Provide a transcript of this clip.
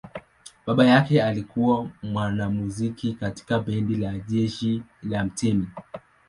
Babake alikuwa mwanamuziki katika bendi la jeshi la mtemi.